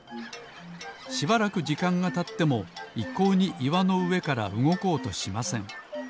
しばらくじかんがたってもいっこうにいわのうえからうごこうとしません。